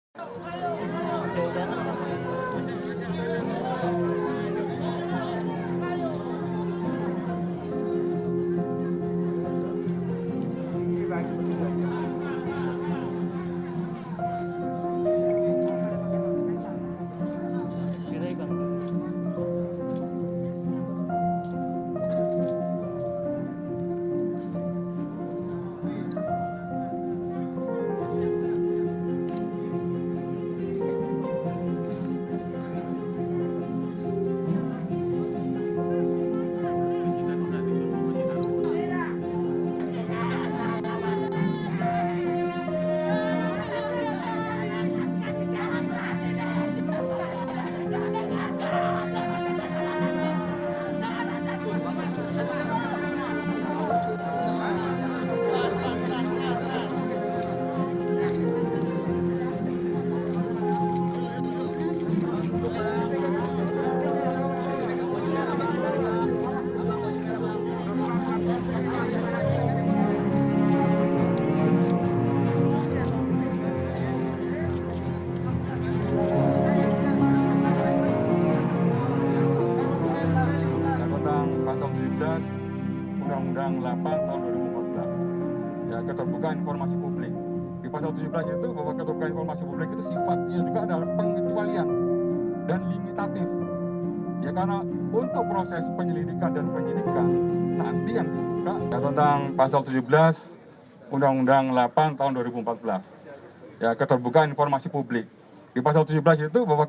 sampai jumpa di video selanjutnya